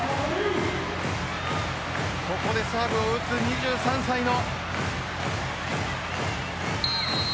ここでサーブを打つ２３歳の。